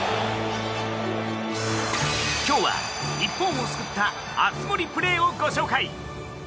今日は、日本を救った熱盛プレーをご紹介。